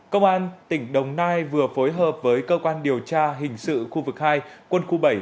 công an tỉnh đồng nai vừa phối hợp với cơ quan điều tra hình sự khu vực hai quân khu bảy